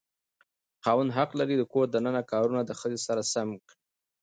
خاوند حق لري د کور دننه کارونه د ښځې سره سم کړي.